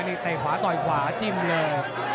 ได้แวะควาต่อยควาจิ้มเลย